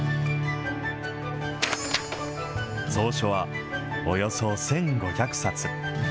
蔵書はおよそ１５００冊。